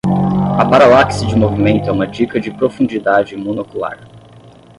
A paralaxe de movimento é uma dica de profundidade monocular.